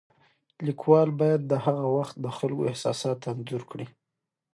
لیکوال باید د هغه وخت د خلکو احساسات انځور کړي.